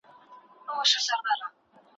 دریم پوښتنه د سرکار او د جهاد کوله